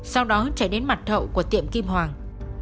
sau đó chạy đến mặt hậu của tiệm kim hoàng